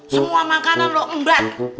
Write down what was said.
semua makanan lo embat